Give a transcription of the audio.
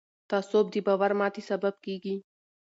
تعصب د باور ماتې سبب کېږي